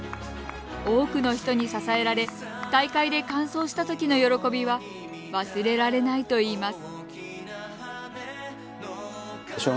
多くの人に支えられ大会で完走したときの喜びは忘れられないといいます。